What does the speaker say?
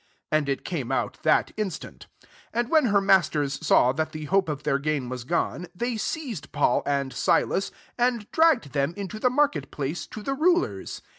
And it came out that in stant 19 And when her masters saw that the hope of their gain was gone, they seized Paul and Silas, and dragged them into the market place, to the rulers.